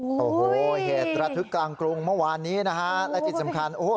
โอ้โหเหตุระทึกกลางกรุงเมื่อวานนี้นะฮะและที่สำคัญโอ้โห